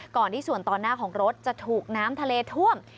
ก่อนที่ส่วนตอนหน้าของรถจะถูกน้ำทะเลท่วม